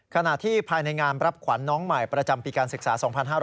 ขณะที่ภายในงานรับขวัญน้องใหม่ประจำปีการศึกษา๒๕๕๙